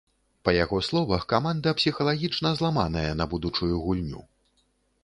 Па яго словах, каманда псіхалагічна зламаная на будучую гульню.